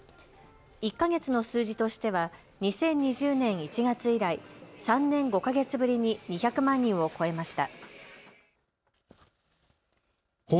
１か月の数字としては２０２０年１月以来、３年５か月ぶりに２００万人を超えました。